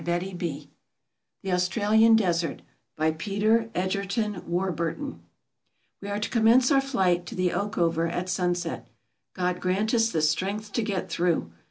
MISCELLANEOUS The Australian Desert By PETER EGERTON WARBURTON WE are to commence our flight to the Oakover at sunset. God grant us strength to get through